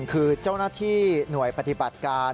คือเจ้าหน้าที่หน่วยปฏิบัติการ